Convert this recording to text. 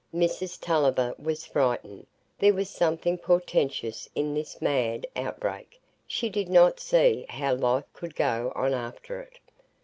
Mrs Tulliver was frightened; there was something portentous in this mad outbreak; she did not see how life could go on after it.